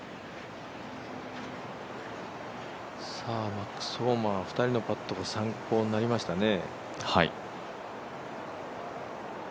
マックス・ホマ、２人のパットが参考になりましたね。